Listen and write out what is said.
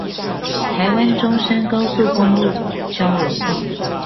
臺灣中山高速公路交流道